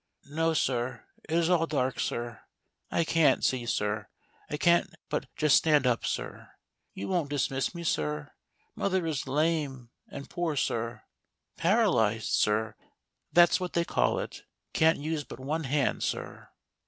" No, sir ; it is all dark, sir. I can't see, sir. I can't but just stand up, sir. You won't dismiss me, sir? mother is lame and poor, sir — paralyzed, sir: that's what they call it — can't use but one hand, sir."